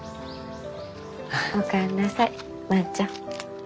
お帰りなさい万ちゃん。